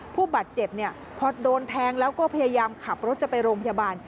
ผู้บาดเจ็บพอโดนแทงแล้วก็พยายามขับรถจะไปโรงพยาบาล